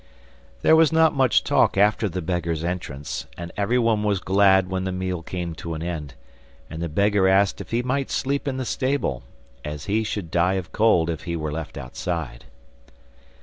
There was not much talk after the beggar's entrance, and everyone was glad when the meal came to an end, and the beggar asked if he might sleep in the stable, as he should die of cold if he were left outside.